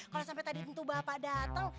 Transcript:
kalau sampai tadi tentu bapak datang